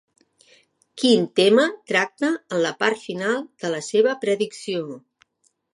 Quin tema tracta en la part final de la seva predicció?